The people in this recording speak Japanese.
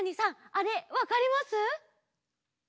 あれわかります？